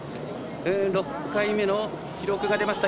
６回目の記録が出ました。